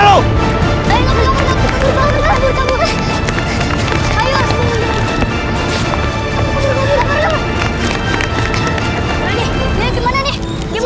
lihat kemana nih